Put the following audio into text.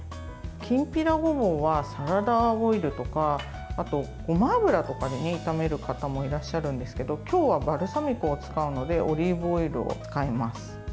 きんぴらごぼうはサラダオイルとかあとごま油とかで炒める方もいらっしゃるんですけど今日はバルサミコを使うのでオリーブオイルを使います。